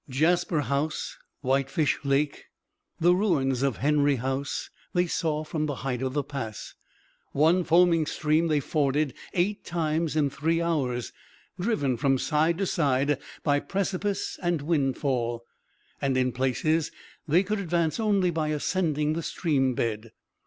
Jasper House, Whitefish Lake, the ruins of Henry House, they saw from the height of the pass. One foaming stream they forded eight times in three hours, driven from side to side by precipice and windfall; and in places they could advance only by ascending the stream bed.